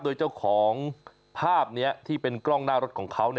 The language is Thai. โดยเจ้าของภาพนี้ที่เป็นกล้องหน้ารถของเขา